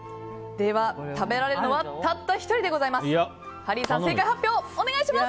では、食べられるのはたった１人でございます。